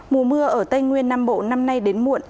mùa mưa ở tây nguyên nam bộ năm nay đến muộn